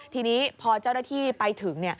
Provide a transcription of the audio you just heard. ทีนี้พอเจ้าหน้าที่ไปถึง